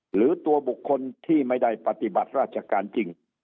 หรือตัวบุคคลที่ไม่ได้ปฏิบัติราชการจริง